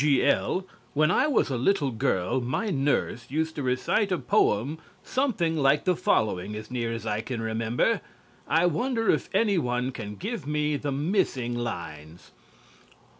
G.L. When I was a little girl, my nurse, used to recite a poem something like the following (as near as I can remember). I wonder if anyone can give me the missing lines?